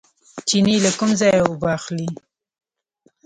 چینې له کوم ځای اوبه اخلي؟